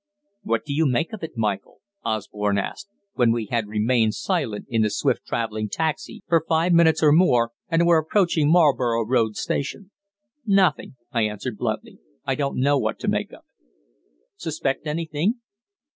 "What do you make of it, Michael?" Osborne asked, when we had remained silent in the swift travelling taxi for five minutes or more, and were approaching Marlboro' Road Station." "Nothing," I answered bluntly. "I don't know what to make of it." "Suspect anything?"